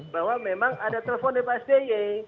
bahwa memang ada telepon dari pak sby